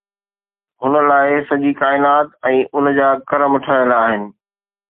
هن لاءِ سڄي ڪائنات ۽ ان جا ڪرم ٺهيل آهن